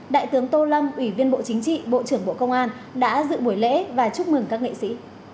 đại tướng tô lâm ủy viên bộ chính trị bộ trưởng bộ công an đã dự buổi lễ và chúc mừng các nghệ sĩ